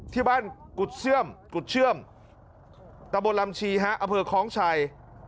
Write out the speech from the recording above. ที่บ้านกุศเชื่อมตำบลรำชีฮะอเผลอคล้องชัย